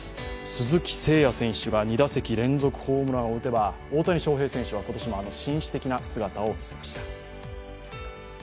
鈴木誠也選手が２打席連続ホームランを撃てば、大谷翔平選手が打てば紳士的な姿を見せました。